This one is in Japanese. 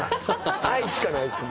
愛しかないです。